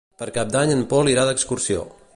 Per Cap d'Any en Pol irà d'excursió.